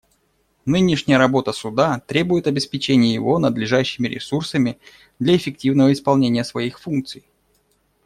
Нынешняя работа Суда требует обеспечения его надлежащими ресурсами для эффективного исполнения своих функций.